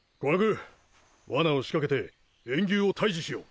琥珀罠を仕掛けて炎牛を退治しよう。